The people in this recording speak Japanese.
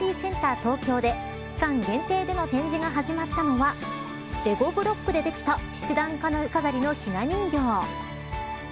東京で期間限定での展示が始まったのはレゴブロックでできた七段飾りのひな人形。